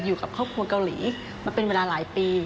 อยู่กับครอบครัวเกาหลีมาเป็นเวลาหลายปี